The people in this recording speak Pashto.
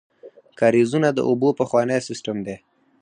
کاریزونه د اوبو پخوانی سیسټم دی.